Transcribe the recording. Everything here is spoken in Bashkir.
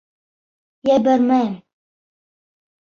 Ебәрмәйем.